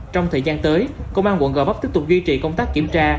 trong thời gian tới công an quận gò vấp tiếp tục duy trì công tác kiểm tra